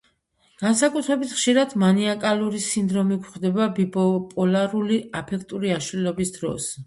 განსაკუთრებით ხშირად მანიაკალური სინდრომი გვხვდება ბიპოლარული აფექტური აშლილობის დროს.